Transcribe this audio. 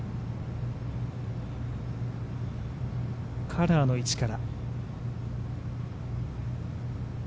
カラーの位置から。